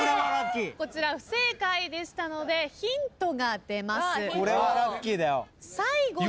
こちら不正解でしたのでヒントが出ます。